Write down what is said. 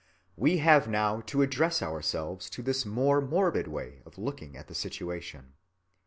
We have now to address ourselves to this more morbid way of looking at the situation.